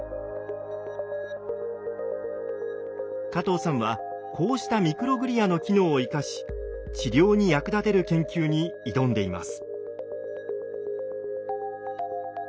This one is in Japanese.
加藤さんはこうしたミクログリアの機能を生かし治療に役立てる研究に挑んでいます。